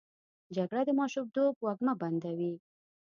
جګړه د ماشومتوب وږمه بندوي